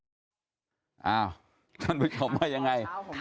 เสียงดังเพราะเราถูกส่วนรวมเรื่องจริงมันต้องมีอยู่แล้ว